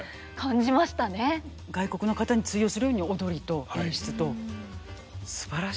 外国の方に通用するように踊りと演出とすばらしいです。